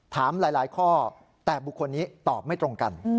ถามหลายข้อแต่บุคคลนี้ตอบไม่ตรงกัน